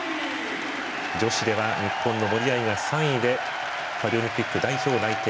女子では日本の森秋彩が３位でパリオリンピック代表内定。